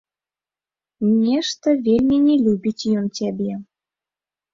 Нешта вельмі не любіць ён цябе.